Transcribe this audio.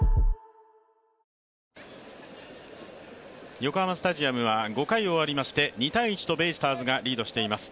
横浜スタジアムは５回を終わりまして、２−１とベイスターズがリードしています。